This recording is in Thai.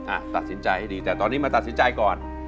อ่ะตัดสินใจให้ดีแต่ตอนนี้มาตัดสินใจก่อน